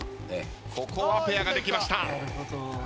ここはペアができました。